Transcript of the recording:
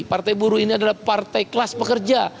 partai buruh ini adalah partai kelas pekerja